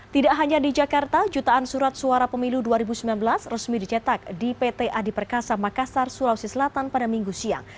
tidak hanya di jakarta jutaan surat suara pemilu dua ribu sembilan belas resmi dicetak di pt adi perkasa makassar sulawesi selatan pada minggu siang